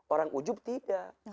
orang ujum tidak